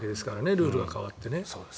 ルールが変わってね。